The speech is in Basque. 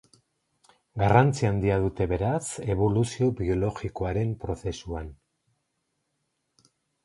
Garrantzi handia dute, beraz, eboluzio biologikoaren prozesuan.